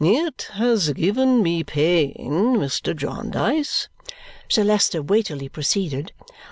"It has given me pain, Mr. Jarndyce," Sir Leicester weightily proceeded.